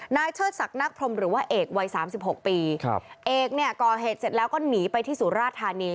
เชิดศักดิ์นักพรมหรือว่าเอกวัยสามสิบหกปีครับเอกเนี่ยก่อเหตุเสร็จแล้วก็หนีไปที่สุราธานี